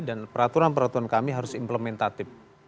dan peraturan peraturan kami harus implementasi